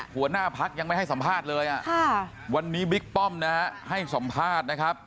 หัวหน้าพักยังไม่ให้สัมภาษณ์เลยวันนี้บิ๊กป้อมนะฮะให้สัมภาษณ์นะครับ